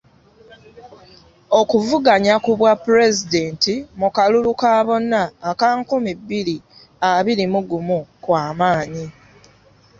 Okuvuganya ku bwapulezidenti mu kalulu ka bonna aka nkumi bbiri abiri mu ggumu kwamanyi.